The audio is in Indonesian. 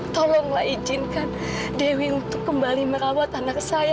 tolonglah izinkan dewi untuk kembali merawat anak saya